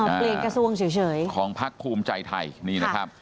เปลี่ยนกระทรวงเฉยของพักภูมิใจไทยนี่นะครับ